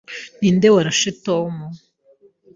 Ninde warashe Tom?